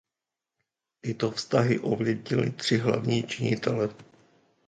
Tyto vztahy ovlivnily tři hlavní činitele.